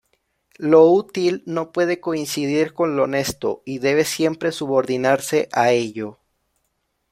Lo útil no puede coincidir con lo honesto y debe siempre subordinarse a ello.